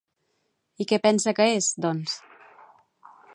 I què pensa que és, doncs?